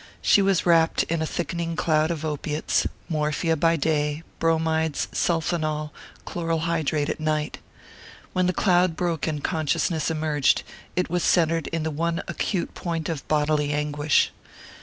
She was wrapped in a thickening cloud of opiates morphia by day, bromides, sulphonal, chloral hydrate at night. When the cloud broke and consciousness emerged, it was centred in the one acute point of bodily anguish.